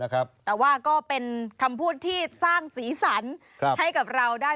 แต่ว่าก็เป็นคำพูดที่สร้างสีสันให้กับเราได้